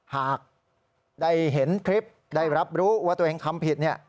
หากได้เห็นคลิปได้รับรู้ว่าตัวเองทำผิดเนี่ย